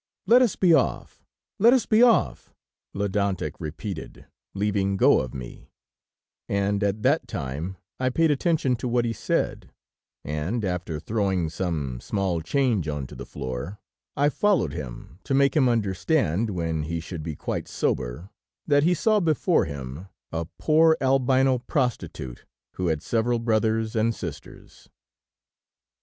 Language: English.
"Let us be off! let us be off!" Ledantec repeated, leaving go of me, and at that time I paid attention to what he said, and, after throwing some small change onto the floor, I followed him, to make him understand, when he should be quite sober, that he saw before him a poor Albino prostitute, who had several brothers and sisters.